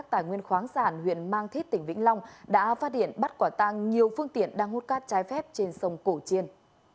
tổ công tác tài nguyên khoáng sản huyện mang thít tỉnh vĩnh long đã phát điện bắt quả tang nhiều phương tiện đang hút cát trái phép trên sông cổ chiên